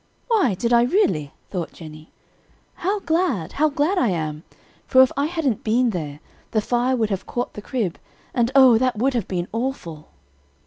"Why, did I really?" thought Jennie; "how glad, how glad I am; for if I hadn't been there, the fire would have caught the crib, and oh, that would have been awful!"